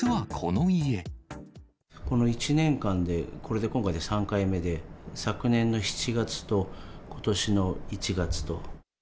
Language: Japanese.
この１年間で、これで、今回で３回目で、昨年の７月とことしの１月と。